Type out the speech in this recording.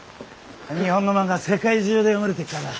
日本の漫画は世界中で読まれてっからな